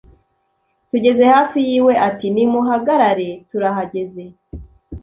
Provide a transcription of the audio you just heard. Tugeze hafi y' iwe ati: "Nimuhagarare turahageze